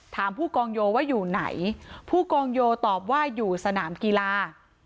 ผู้กองโยว่าอยู่ไหนผู้กองโยตอบว่าอยู่สนามกีฬา